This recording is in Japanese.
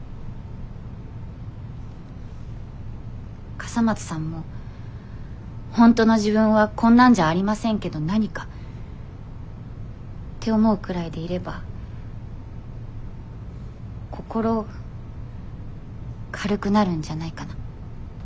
笠松さんも「本当の自分はこんなんじゃありませんけど何か？」って思うくらいでいれば心軽くなるんじゃないかな。